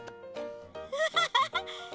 ハハハハ！